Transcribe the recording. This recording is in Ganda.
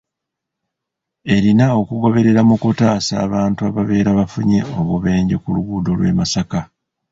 Erina okugoberera mu kutaasa abantu ababeera bafunye obubenje ku luguudo lw'e Masaka